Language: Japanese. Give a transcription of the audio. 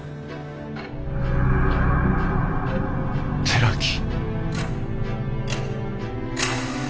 寺木。